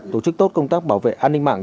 tổ chức tốt công tác bảo vệ an ninh mạng